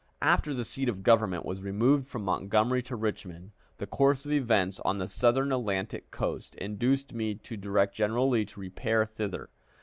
After the seat of government was removed from Montgomery to Richmond, the course of events on the Southern Atlantic coast induced me to direct General Lee to repair thither.